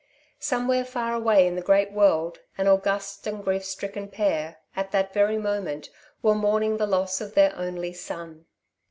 Somewhere far away in the great world, an august and griefstricken pair, at that very moment, were mourning the loss of their only son.